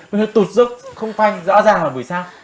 bây giờ tụt dốc không phanh rõ ràng là bởi sao